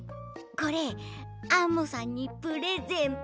これアンモさんにプレゼント。